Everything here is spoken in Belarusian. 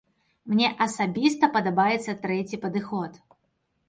Мне асабіста падабаецца трэці падыход.